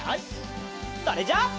それじゃあ。